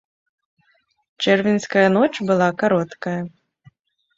Чэрвеньская ноч была кароткая.